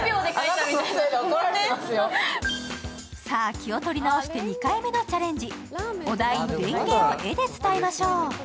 気を取り直して２回目のチャレンジ、お題、れんげを絵で伝えましょう。